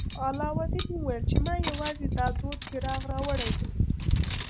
علاوالدین وویل چې ما یوازې دا زوړ څراغ راوړی دی.